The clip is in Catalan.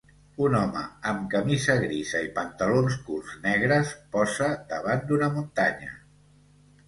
Un home amb camisa grisa i pantalons curts negres posa davant d'una muntanya.